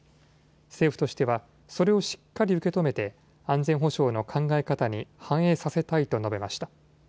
政府としては、それをしっかり受け止めて安全保障の考え方に反映させたいと述べました。